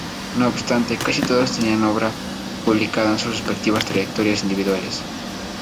No obstante, casi todos tenían obra publicada en sus respectivas trayectorias individuales.